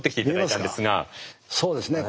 そうですね。